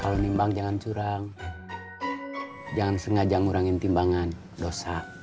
kalau nimbang jangan curang jangan sengaja ngurangin timbangan dosa